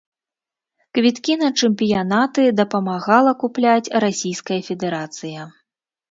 Квіткі на чэмпіянаты дапамагала купляць расійская федэрацыя.